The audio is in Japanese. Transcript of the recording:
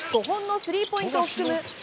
５本のスリーポイントを含む